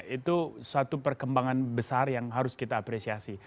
itu suatu perkembangan besar yang harus kita apresiasi